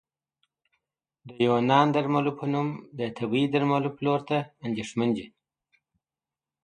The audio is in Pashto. د یوناني درملو په نوم د طبي درملو پلور ته اندېښمن دي